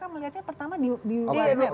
mereka melihatnya pertama di area